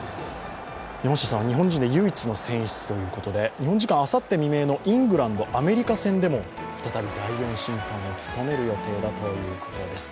山下さんは日本人で唯一の選出ということで日本時間あさって未明のイングランド×アメリカ戦でも再び第４審判を務める予定だそです